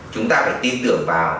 chúng ta phải tin tưởng vào